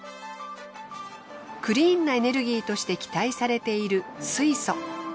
クリーンなエネルギーとして期待されている水素。